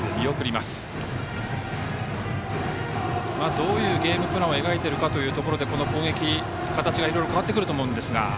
どういうゲームプランを描いているかというところでこの攻撃、形がいろいろ変わってくると思うんですが。